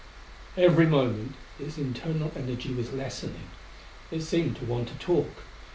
Every moment its internal energy was lessening. It seemed to want to talk.